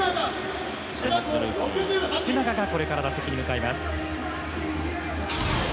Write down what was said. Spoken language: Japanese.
福永がこれから打席に向かいます。